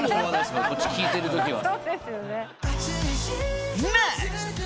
こっち聴いてるときは。